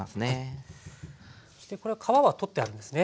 そしてこれは皮は取ってあるんですね。